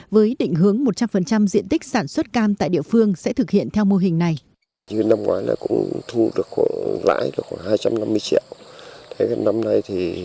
với định hướng một trăm linh diện tích sản xuất cam tại địa phương sẽ thực hiện theo mô hình này